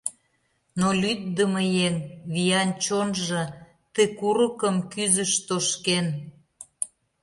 Но лӱддымӧ еҥ, виян чонжо, Ты курыкым кӱзыш тошкен.